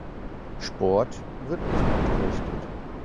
Sport wird nicht unterrichtet.